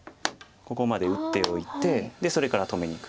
ここまで打っておいてそれから止めにいく。